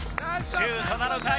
シュートなのかい？